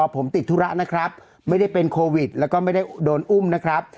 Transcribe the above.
ผมติดธุระนะครับไม่ได้เป็นโควิดแล้วก็ไม่ได้โดนอุ้มนะครับ